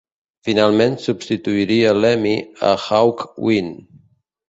Finalment substituiria Lemmy a Hawkwind.